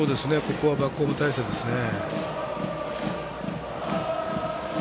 バックホーム態勢ですね。